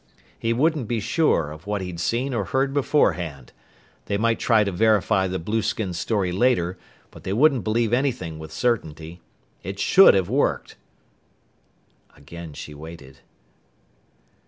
"He wouldn't be sure of what he'd seen or heard before hand. They might try to verify the blueskin story later, but they wouldn't believe anything with certainty. It should have worked!" Again she waited.